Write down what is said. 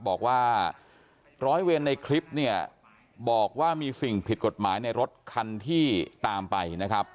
บอกว่าร้อยเวรในคลิปเนี่ยบอกว่ามีสิ่งผิดกฎหมายในรถคันที่ตามไปนะครับ